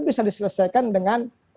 bisa diselesaikan dengan